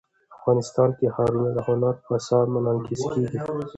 افغانستان کې ښارونه د هنر په اثار کې منعکس کېږي.